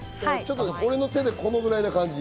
俺の手でこのぐらいな感じ。